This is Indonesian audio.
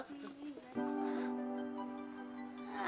mampu mampu mampu ibu ya